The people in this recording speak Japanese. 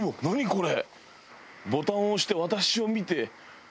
これ。